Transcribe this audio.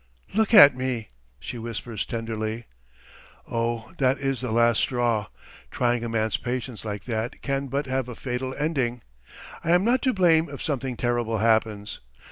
"Look at me!" she whispers tenderly. Oh, that is the last straw! Trying a man's patience like that can but have a fatal ending. I am not to blame if something terrible happens.